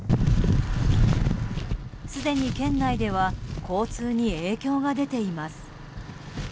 すでに県内では交通に影響が出ています。